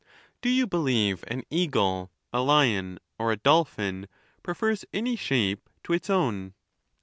Do you be lieve an eagle, a lion, or a dolphin prefers any shape to its own?